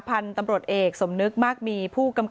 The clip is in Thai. ผ่านตำรวจเอกสมนึกมากมี